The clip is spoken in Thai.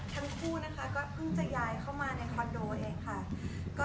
ทั้งคู่นะคะก็เพิ่งจะย้ายเข้ามาในคอนโดเองค่ะ